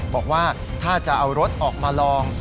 บอกว่าถ้าจะเอารถออกมาลอง